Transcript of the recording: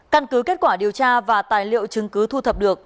căn cứ kết quả điều tra và tài liệu chứng cứ thu thập được